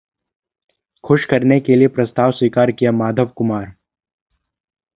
खुश करने के लिये प्रस्ताव स्वीकार कियाः माधव कुमार